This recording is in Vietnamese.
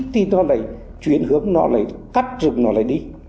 thứ nhất là